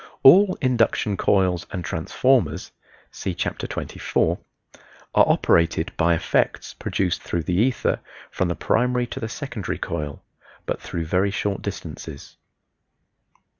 All induction coils and transformers (see Chapter XXIV) are operated by effects produced through the ether from the primary to the secondary coil but through very short distances.